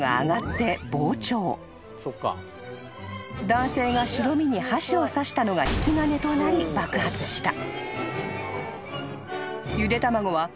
［男性が白身に箸を刺したのが引き金となり爆発した］